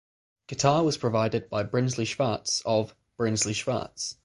Guitar was provided by Brinsley Schwarz of Brinsley Schwarz.